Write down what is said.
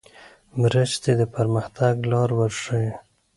مرستې د پرمختګ لار ورښیي.